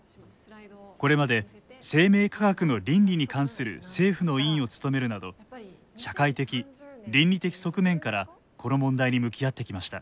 これまで生命科学の倫理に関する政府の委員を務めるなど社会的倫理的側面からこの問題に向き合ってきました。